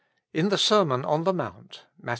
In the Sermon on the Mount (Matt.